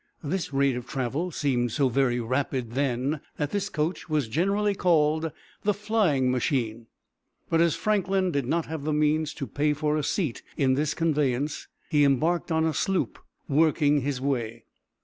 This rate of travel seemed so very rapid then that this coach was generally called the "Flying Machine." But as Franklin did not have the means to pay for a seat in this conveyance, he embarked on a sloop, working his way.